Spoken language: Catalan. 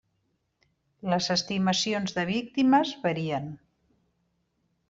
Les estimacions de víctimes varien.